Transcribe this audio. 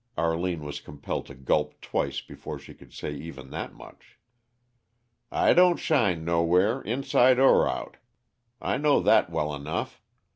Arline was compelled to gulp twice before she could say even that much. "I don't shine nowhere inside er out. I know that well enough.